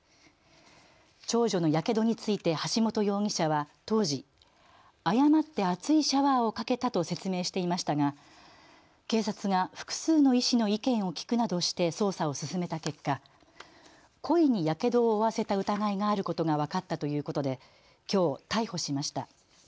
長女のやけどについて橋本容疑者は当時誤って熱いシャワーをかけたと説明していましたが警察が複数の医師の意見を聞くなどして捜査を進めた結果故意にやけどを負わせた疑いがあることが分かったということできょう、逮捕しました。